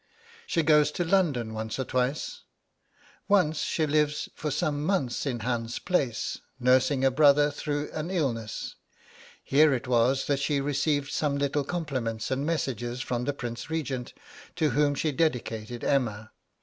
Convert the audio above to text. She goes to London once or twice. Once she lives for some months in Hans Place, nursing a brother through an illness. Here it was that she received some little compliments and messages from the Prince Regent, to whom she dedicated 'Emma.'